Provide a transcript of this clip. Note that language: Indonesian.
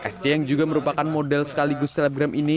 sc yang juga merupakan model sekaligus selebgram ini